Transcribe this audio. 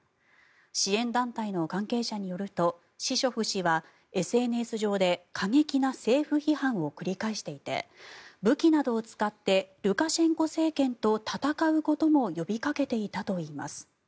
支援団体の関係者によるとシショフ氏はＳＮＳ上で過激な政府批判を繰り返していて武器などを使ってルカシェンコ政権と戦うことも呼びかけていたといいます。